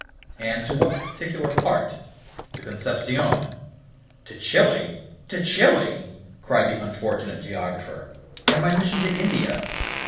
"And to what particular part?" "To Concepcion." "To Chili! to Chili!" cried the unfortunate geographer. "And my mission to India.